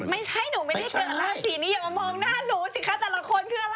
ไม่ใช่หนูไม่ได้เจอกับราศีนี้อย่ามามองหน้าหนูสิคะแต่ละคนคืออะไร